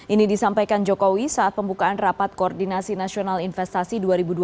ini disampaikan jokowi saat pembukaan rapat koordinasi nasional investasi dua ribu dua puluh